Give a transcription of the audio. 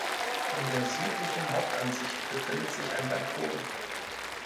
In der südlichen Hauptansicht befindet sich ein Balkon.